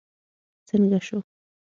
څنګه شو.